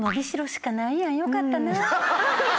よかったなぁ。